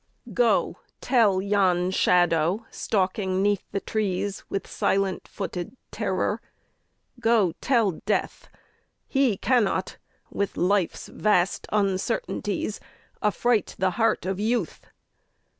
Go tell yon shadow stalking 'neath the trees With silent footed terror, go tell Death He cannot with Life's vast uncertainties Affright the heart of Youth